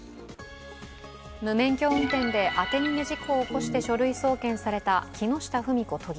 無免許運転で当て逃げ事故を起こして書類送検された木下富美子都議。